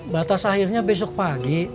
batas akhirnya besok pagi